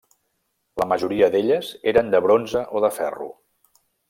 La majoria d'elles eren de bronze o de ferro.